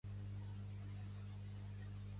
Pertany al moviment independentista la Tilda?